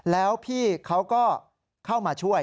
แล้วพี่เขาก็เข้ามาช่วย